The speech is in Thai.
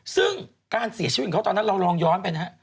ซึ่งการเสียชีวิตของเขาตอนนั้นเราลองย้อนไปนะฮะ